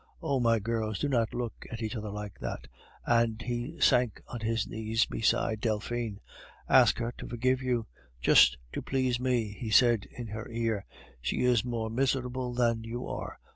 Oh, my girls, do not look at each other like that!" and he sank on his knees beside Delphine. "Ask her to forgive you just to please me," he said in her ear. "She is more miserable than you are.